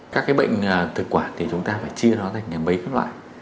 các cái bệnh thực quản thì chúng ta phải chia nó thành bấy các loại